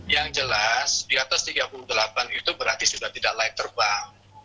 yang jelas di atas tiga puluh delapan itu berarti sudah tidak layak terbang